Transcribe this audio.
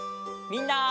みんな！